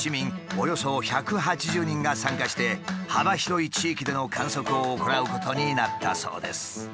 およそ１８０人が参加して幅広い地域での観測を行うことになったそうです。